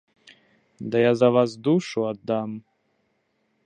Ды я за вас душу аддам!